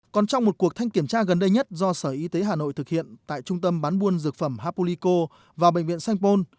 còn trong một cuộc thanh kiểm tra gần đây nhất do sở y tế hà nội thực hiện tại trung tâm bán buôn dược phẩm hapulico và bệnh viện sanh pôn